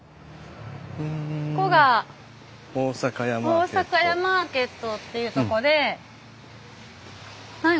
ここが大阪屋マーケットっていうとこで。